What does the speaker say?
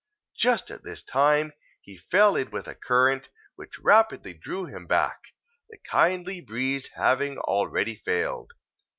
Just at this time, he fell in with a current, which rapidly drew him back, the kindly breeze having already failed.